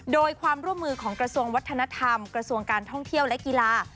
โดยความร่วมมือของกระทรวงวัฒนธรรมกระทรวงการท่องเที่ยวและกีฬา